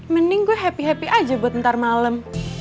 mending gue happy happy aja buat ntar malam